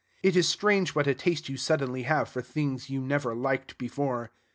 It is strange what a taste you suddenly have for things you never liked before.